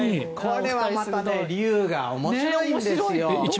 これはまた理由が面白いんですよ。